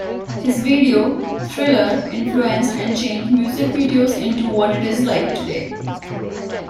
His video "Thriller" influenced and changed music videos into what it is like today.